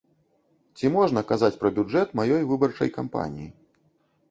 Ці можна казаць пра бюджэт маёй выбарчай кампаніі?